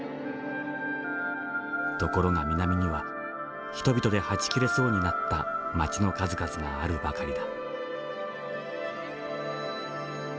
ところが南には人々ではち切れそうになった町の数々があるばかりだ」。